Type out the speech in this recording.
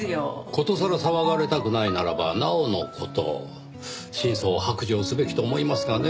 ことさら騒がれたくないならばなおの事真相を白状すべきと思いますがねぇ。